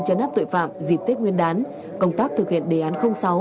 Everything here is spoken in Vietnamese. chấn áp tội phạm dịp tết nguyên đán công tác thực hiện đề án sáu